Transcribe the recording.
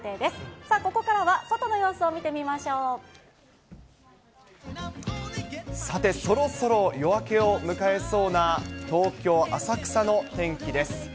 さあ、ここからは外の様子を見てさて、そろそろ夜明けを迎えそうな東京・浅草の天気です。